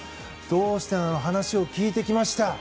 どうしたのか話を聞いてきました。